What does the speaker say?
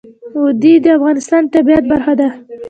وادي د افغانستان د طبیعت برخه ده.